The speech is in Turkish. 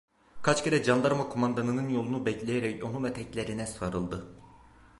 Kaç kere candarma kumandanının yolunu bekleyerek onun eteklerine sarıldı…